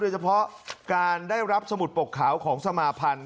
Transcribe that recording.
โดยเฉพาะการได้รับสมุดปกขาวของสมาพันธ์